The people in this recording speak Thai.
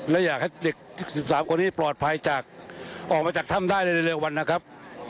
และอยากให้เด็ก๑๓คนนี้ปลอดภัยจากออกมาจากถ้ำได้ในเร็ววันนะครับ